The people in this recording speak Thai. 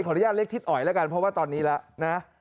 อนุญาตเรียกทิศอ๋อยแล้วกันเพราะว่าตอนนี้แล้วนะ